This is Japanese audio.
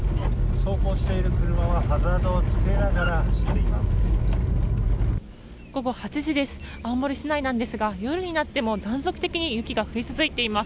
走行している車はハザードをつけながら走っています。